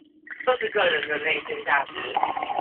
就是個人的內心價值